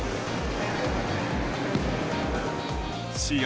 試合